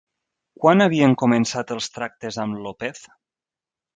Quan havien començat els tractes amb López?